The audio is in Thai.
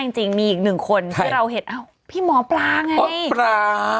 จริงมีอีกหนึ่งคนที่เราเห็นอ้าวพี่หมอปลาไงพี่ปลา